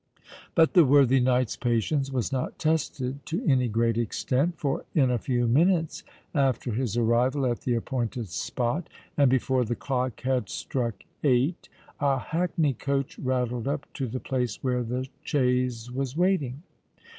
But the worthy knight's patience was not tested to any great extent; for in a few minutes after his arrival at the appointed spot, and before the clock had struck eight, a hackney coach rattled up to the place where the chaise was waiting.